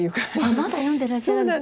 まだ読んでらっしゃらない？